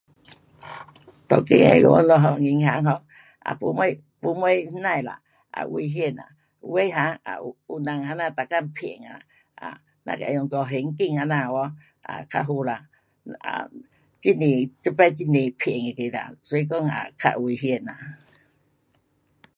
当今的我们 um 银行也没啥吗，没啥危险啦，有些啊有人这样每天骗呐，若是用做现金这样有没，较好啦，很多，这次很多骗那个啦，所以讲啊，较危险啦。